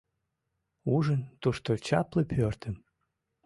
Ужын тушто чапле пӧртым.